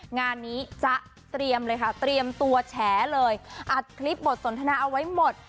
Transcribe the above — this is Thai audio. งานนี้จ๊ะเตรียมเลยค่ะเตรียมตัวแฉเลยอัดคลิปบทสนทนาเอาไว้หมด